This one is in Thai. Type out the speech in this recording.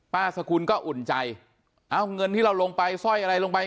สกุลก็อุ่นใจเอาเงินที่เราลงไปสร้อยอะไรลงไป